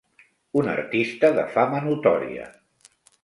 Un artista de fama notòria.